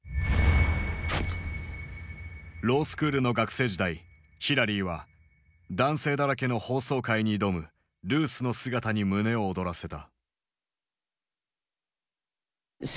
ロースクールの学生時代ヒラリーは男性だらけの法曹界に挑むルースの姿に胸を躍らせた。